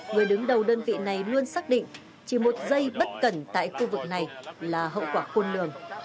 người đứng đầu đơn vị này luôn xác định chỉ một giây bất cẩn tại khu vực này là hậu quả khôn lường